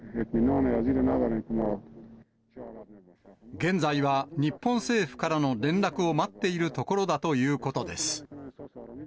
現在は日本政府からの連絡を待っているところだということです。